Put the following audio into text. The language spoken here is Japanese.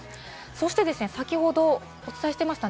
そして先ほどお伝えしていました